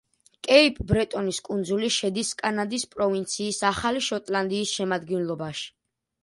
კეიპ-ბრეტონის კუნძული შედის კანადის პროვინციის ახალი შოტლანდიის შემადგენლობაში.